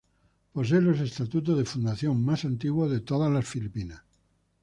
Posee los estatutos de fundación más antiguos de toda las Filipinas.